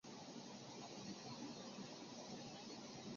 民国二年废除广平府。